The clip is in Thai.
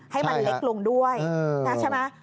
ให้มันเล็กลงด้วยนะใช่ไหม